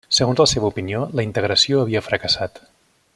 Segons la seva opinió, la integració havia fracassat.